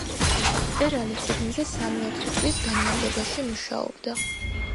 მწერალი წიგნზე სამი-ოთხი წლის განმავლობაში მუშაობდა.